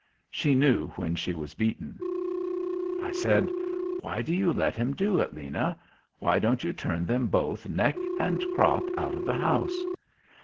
She knew when she was beaten. I said, "Why do you let him do it, Lena? Why don't you turn them both neck and crop out of the house?"